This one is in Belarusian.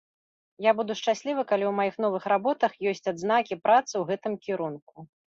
Я буду шчаслівы, калі ў маіх новых работах ёсць адзнакі працы ў гэтым кірунку.